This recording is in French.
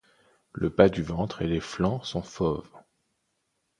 Le bas du ventre et les flancs sont fauve.